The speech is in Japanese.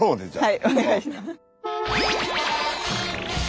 はいお願いします。